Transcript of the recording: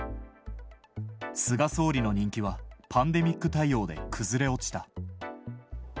菅総理の人気は、パンデミック対応で崩れ落ちた。